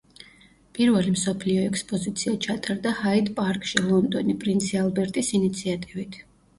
პირველი მსოფლიო ექსპოზიცია ჩატარდა ჰაიდ-პარკში, ლონდონი, პრინცი ალბერტის ინიციატივით.